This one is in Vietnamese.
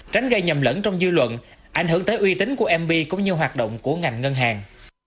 tránh gây nhầm lẫn trong dư luận ảnh hưởng tới uy tín của mb cũng như hoạt động của ngành ngân hàng